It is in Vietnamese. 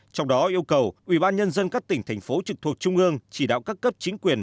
trong đó yêu cầu ubnd các tỉnh thành phố trực thuộc trung ương chỉ đạo các cấp chính quyền